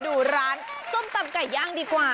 ดูร้านส้มตำไก่ย่างดีกว่า